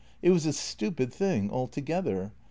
" It was a stupid thing altogether.